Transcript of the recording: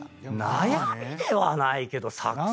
悩みではないけど。